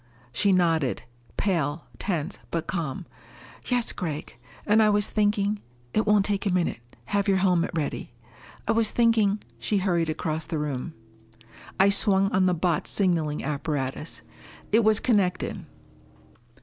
She nodded. Pale, tense, but calm. "Yes, Gregg. And I was thinking " "It won't take a minute. Have your helmet ready." "I was thinking " She hurried across the room. I swung on the Botz signaling apparatus. It was connected.